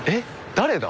誰だ？